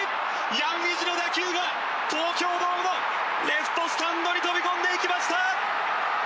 ヤン・ウィジの打球が東京ドームのレフトスタンドに飛び込んでいきました！